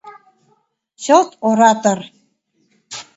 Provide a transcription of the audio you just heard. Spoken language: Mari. Чылт оратор.